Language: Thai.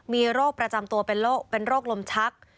มีโรคประจำตัวเป็นโรคลมชัก